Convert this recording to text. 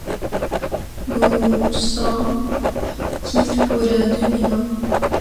Nous en sommes quittes pour un demi-bain.